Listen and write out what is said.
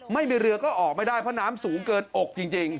ไม่มีเรือก็ออกไม่ได้เพราะน้ำสูงเกินอกจริง